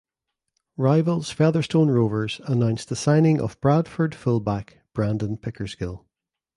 Rivals Featherstone Rovers announced the signing of Bradford fullback Brandon Pickersgill.